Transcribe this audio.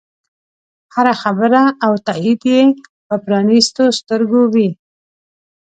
هره خبره او تایید یې په پرانیستو سترګو وي.